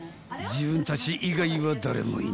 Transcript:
［自分たち以外は誰もいない］